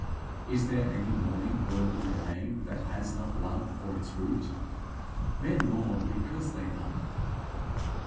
Is there any mourning worthy the name that has not love for its root? Men mourn because they love.